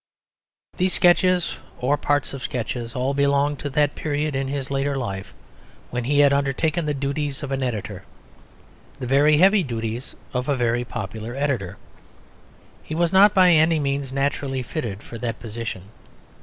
These sketches or parts of sketches all belong to that period in his later life when he had undertaken the duties of an editor, the very heavy duties of a very popular editor. He was not by any means naturally fitted for that position.